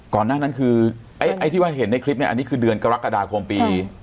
หน้านั้นคือไอ้ที่ว่าเห็นในคลิปเนี่ยอันนี้คือเดือนกรกฎาคมปี